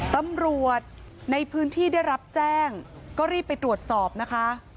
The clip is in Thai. ตำรวจในพื้นที่ได้รับแจ้งก็รีบไปตรวจสอบนะคะ